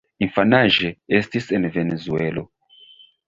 Infanaĝe, estis en Venezuelo.